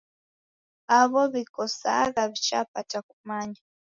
Aw'o w'ikosagha w'ichapata kumanya.